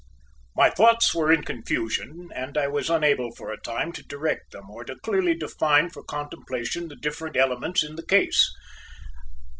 My thoughts were in confusion, and I was unable for a time to direct them or to clearly define for contemplation the different elements in the case.